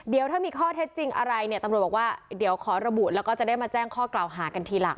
เดี๋ยวถ้ามีข้อเท็จจริงอะไรเนี่ยตำรวจบอกว่าเดี๋ยวขอระบุแล้วก็จะได้มาแจ้งข้อกล่าวหากันทีหลัง